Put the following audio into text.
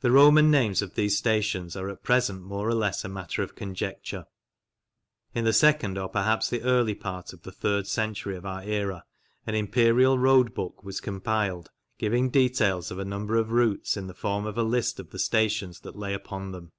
The Roman names of these stations are at present more or less a matter of conjecture. In the second or perhaps the early part of the third century of our era, an imperial Road Book was compiled giving details of a number of routes in the form of a list of the stations that lay upon them.